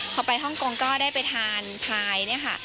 พอไปฮ่องกงก็ได้ไปทานพายเนี่ยค่ะ